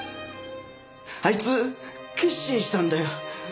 あいつ決心したんだよ。